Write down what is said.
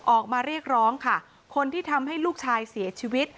ออกมาเรียกร้องค่ะคนที่ทำให้ลูกชายเสียชีวิต